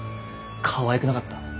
かわいくなかった？